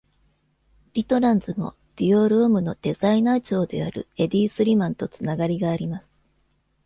リトランズもディオールオムのデザイナー長であるエディ・スリマンと繋がりがあります。